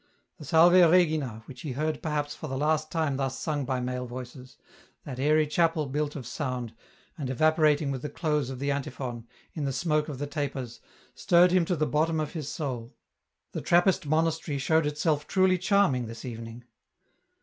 The " Salve Regina," which he heard perhaps for the last time thus sung by male voices ; that airy chapel built of sound, and evaporating with the close of the antiphon, in the smoke of the tapers, stirred him to the bottom of his soul ; the Trappist monastery showed itself truly charming this evening.